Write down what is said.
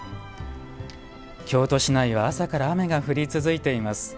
京都市内は朝から雨が降り続いています。